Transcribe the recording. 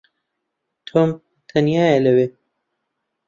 تۆم تەنیایە لەوێ.